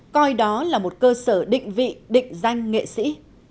coi đó là một cơ sở định vị định danh nghệ sĩ